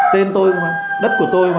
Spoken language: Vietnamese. tên tôi mà đất của tôi mà